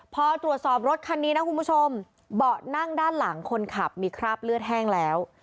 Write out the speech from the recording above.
พอตรวจสอบรถคันนี้นะคุณผู้ชมเบาะนั่งด้านหลังคนขับมีคราบเลือดแห้งแล้ว